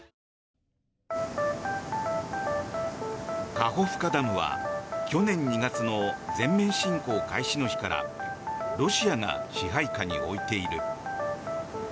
カホフカダムは去年２月の全面侵攻開始の日からロシアが支配下に置いている。